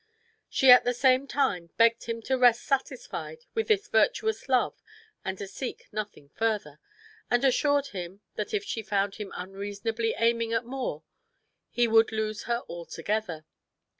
She at the same time begged him to rest satisfied with this virtuous love and to seek nothing further, and assured him that if she found him unreasonably aiming at more, he would lose her altogether.